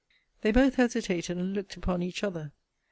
They both hesitated, and looked upon each other.